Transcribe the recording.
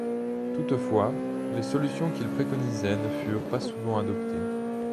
Toutefois, les solutions qu'il préconisait ne furent pas souvent adoptées.